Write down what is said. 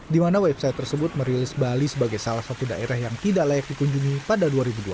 di mana website tersebut merilis bali sebagai salah satu daerah yang tidak layak dikunjungi pada dua ribu dua puluh